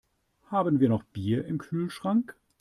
Haben wir noch Bier im Kühlschrank?